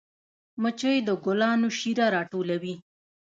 مچۍ د ګلانو شیره راټولوي